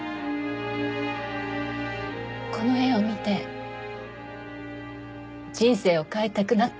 「この絵を見て人生を変えたくなった」